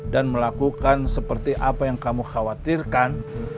dan melakukan seperti apa yang kamu khawatirkan